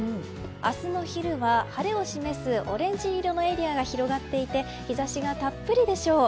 明日の昼は晴れを示すオレンジ色のエリアが広がっていて日差しがたっぷりでしょう。